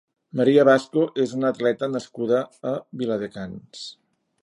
Maria Vasco és una atleta nascuda a Viladecans.